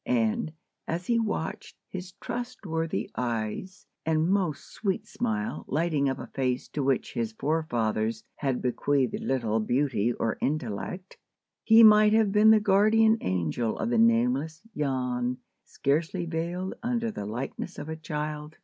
And, as he watched, his trustworthy eyes and most sweet smile lighting up a face to which his forefathers had bequeathed little beauty or intellect, he might have been the guardian angel of the nameless Jan, scarcely veiled under the likeness of a child.